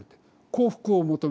幸福を求める。